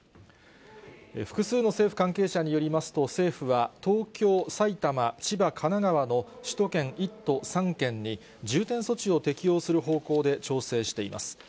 複数の政府関係者によりますと、政府は東京、埼玉、千葉、神奈川の首都圏１都３県に、重点措置を適用する方向で調整しています。